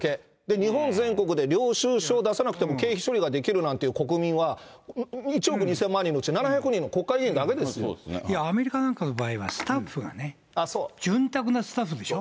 日本全国で領収書を出さなくても経費処理ができるなんて国民は、１億２０００万人のうち、アメリカなんかの場合はスタッフがね、潤沢なスタッフでしょ。